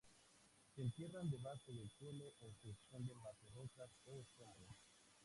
Se entierran debajo del suelo o se esconden bajo rocas o escombros.